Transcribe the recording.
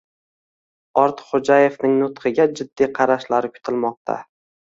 Ortiqxo'jaevning nutqiga jiddiy qarashlari kutilmoqda